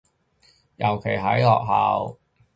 尤其喺學校